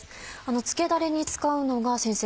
漬けだれに使うのが先生